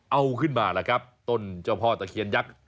เอาขึ้นมาล่ะครับต้นเจ้าพ่อตะเคียนยักษ์